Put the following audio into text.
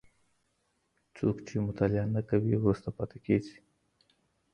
څوک چي مطالعه نه کوي وروسته پاتې کيږي.